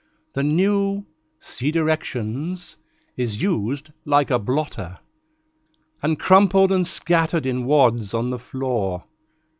The new (see directions) is "used like a blotter," And crumpled and scattered in wads on the floor.